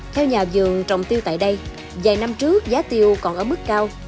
theo nhà vườn trồng tiêu tại đây vài năm trước giá tiêu còn ở mức cao